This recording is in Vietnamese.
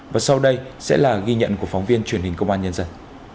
và sau đây sẽ là ghi nhận của phóng viên truyền hình công an nhân dân